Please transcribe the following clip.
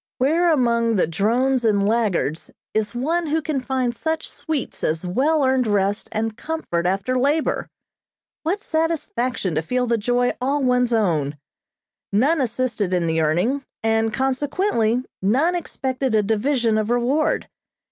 Where among the drones and laggards is one who can find such sweets as well earned rest and comfort after labor? What satisfaction to feel the joy all one's own. None assisted in the earning, and consequently none expected a division of reward.